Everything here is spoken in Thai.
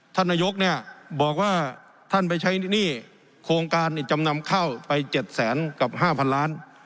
ท่านนายกำตีเนี้ยบอกว่าท่านไปใช้หนี้โครงการจำนำเข้าไปเจ็ดแสนกับห้าพันล้าน